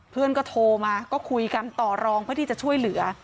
เพื่อนก็โทรมาก็คุยกันต่อรองเพื่อที่จะช่วยเหลือ